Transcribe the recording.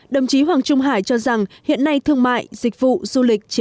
đồng chí hoàng trung hải cho rằng hiện nay thương mại dịch vụ du lịch